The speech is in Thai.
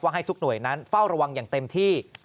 ให้ทุกหน่วยนั้นเฝ้าระวังอย่างเต็มที่